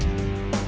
saya yang menang